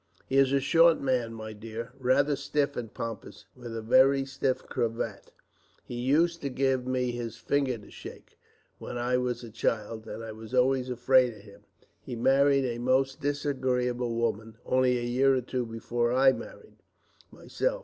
"He is a short man, my dear, rather stiff and pompous, with a very stiff cravat. He used to give me his finger to shake, when I was a child, and I was always afraid of him. He married a most disagreeable woman, only a year or two before I married, myself.